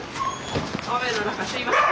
雨の中すいません。